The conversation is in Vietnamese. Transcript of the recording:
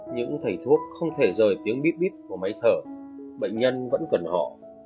những thầy thuốc không thể rời tiếng bíp bíp của máy thở bệnh nhân vẫn cần họ